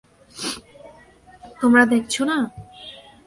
তোমরা দেখছো না?